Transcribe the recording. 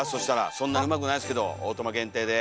そんなにうまくないですけどオートマ限定で。